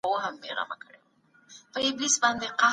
د پرمختیا پروسه به له هر اړخیزو ازموینو تیره سوې وي.